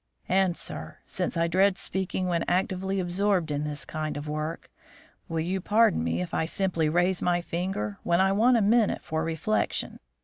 And, sir, since I dread speaking when actively absorbed in this kind of work, will you pardon me if I simply raise my finger when I want a minute for reflection?